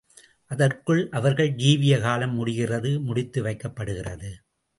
அதற்குள் அவர்கள் ஜீவிய காலம் முடிகிறது முடித்து வைக்கப்படுகிறது.